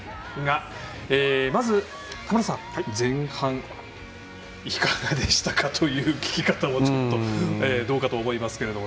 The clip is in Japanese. まず田村さん前半いかがでしたか？という聞き方もちょっと、どうかと思いますけど。